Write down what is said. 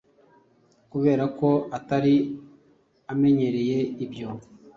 Kubera ko atari amenyereye ibyo,